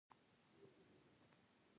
بیا نو مه وایئ چې پانګوال بد دي